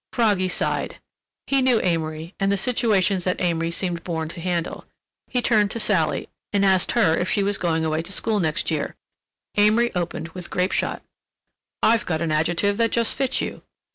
Froggy sighed—he knew Amory, and the situations that Amory seemed born to handle. He turned to Sally and asked her if she was going away to school next year. Amory opened with grape shot. "I've got an adjective that just fits you."